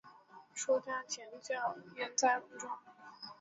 出家前叫岩仔龙庄。